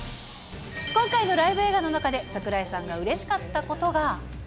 今回のライブ映画の中で、櫻井さんがうれしかったことが。